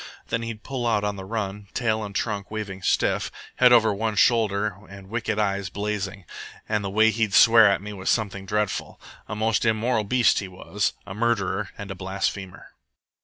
Then he'd pull out on the run, tail and trunk waving stiff, head over one shoulder and wicked eyes blazing, and the way he'd swear at me was something dreadful. A most immoral beast he was, a murderer, and a blasphemer.